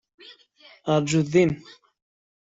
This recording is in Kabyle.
Argut din!